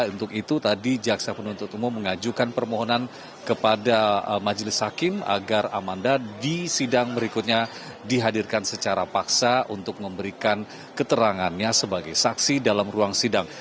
untuk itu tadi jaksa penuntut umum mengajukan permohonan kepada majelis hakim agar amanda di sidang berikutnya dihadirkan secara paksa untuk memberikan keterangannya sebagai saksi dalam ruang sidang